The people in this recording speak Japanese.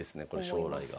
将来が。